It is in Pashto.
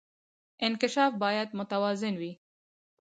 انکشاف باید متوازن وي